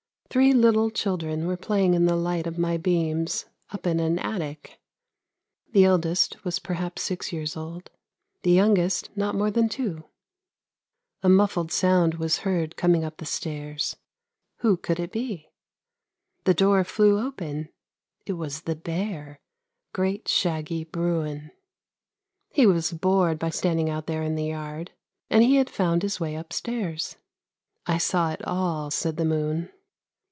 Three little children were play ing in the light of my beams up in an attic, the eldest was perhaps six years old, the youngest not more than two! Flop, flop! a muffled sound was heard coming up the stairs, who could it be ? The door flew open — it was the bear, great shaggy Bruin! He was bored by standing out there in the yard, and he had found his way upstairs. I saw it all," said the moon.